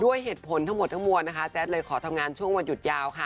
ด้วยเหตุผลทั้งหมดทั้งมวลนะคะแจ๊ดเลยขอทำงานช่วงวันหยุดยาวค่ะ